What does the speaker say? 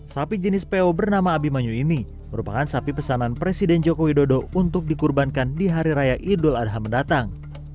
sapi jenis peo bernama abimanyu ini merupakan sapi pesanan presiden joko widodo untuk dikurbankan di hari raya idul adha mendatang